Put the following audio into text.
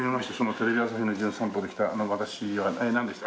テレビ朝日の『じゅん散歩』で来たあの私えっなんでした？